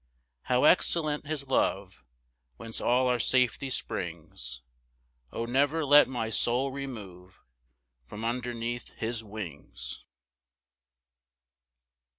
7 How excellent his love, Whence all our safety springs! O never let my soul remove From underneath his wings.